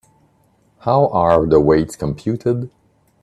How are the weights computed?